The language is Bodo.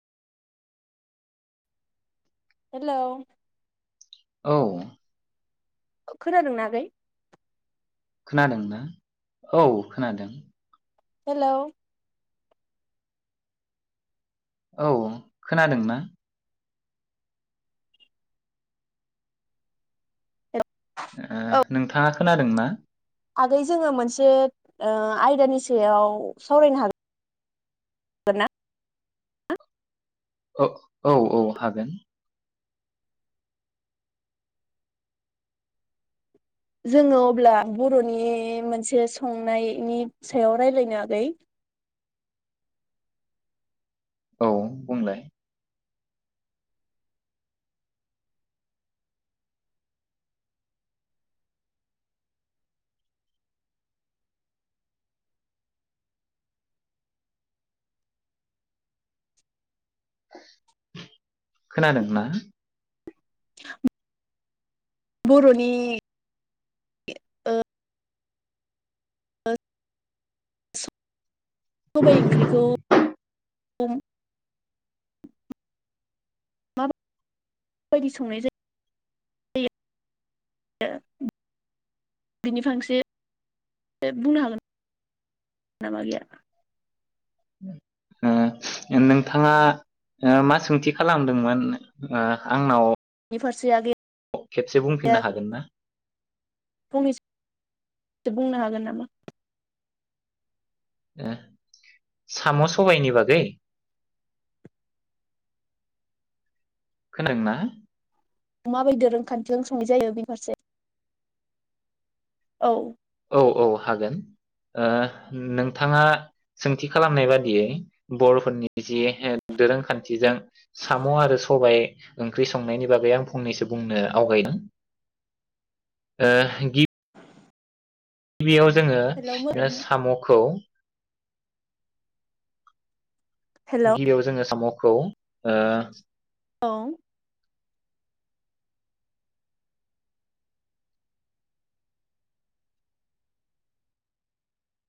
हेलौ। औ। खोनादोंना आगै? खोनादों ना औ खोनादों। हेलौ। औ खोनादों ना? ओ नोंथाङा खोनादों ना? आगै जोङो मोनसे ओ आयदानि सायाव सावरायनो हागोन गोनना? ओ औ औ हागोन। जोङो अब्ला बर'नि मोनसे संनायनि सायाव रायलायनो आगै। औ बुंलाय। खोनादोंना? बर'नि ओ ओ [unintelligible] गुबै ओंख्रिखौ खौ मा बायदि संनाय जायो। रो बिनि फांसे बुंनो हागोन नामा आगैया? ओ नोंथाङा मा सोंथि खालामदोंमोन ओ आंनाव नि फारसे आगै खेबसे आ बुंफिननो हागोन ना फंनैसो बुंनो हागोन नामा। ओ साम' सबायनि बागै? खोनादों ना? अमा बेदर ओंखामजों संनाय जायो बेनि फारसे औ। औ औ हागोन ओ नोंथाङा सोंथि खालामनाय बादियै बर'फोरनि जि दोरोंखान्थिजों साम' आरो सबाय ओंख्रि संनायनि बागै आं फंनैसो बुंनो आवगायदों ओ गि बियाव जोङो हेलौ मोजां ओ साम'खौ हेलौ गिबियाव जोङो साम' खौ। ओ औ।